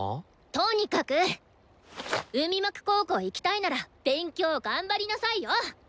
とにかく！海幕高校行きたいなら勉強頑張りなさいよ！